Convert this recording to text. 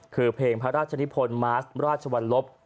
คือเพลงพระราชนิพลมาสราชวรรลบ